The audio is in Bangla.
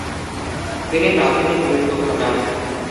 তিনি প্রাথমিক মৃত্যু ঘটান।